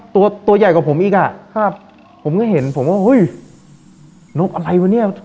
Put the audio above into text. ตัวตัวใหญ่กว่าผมอีกอ่ะครับผมก็เห็นผมว่าเฮ้ยนกอะไรวะเนี่ย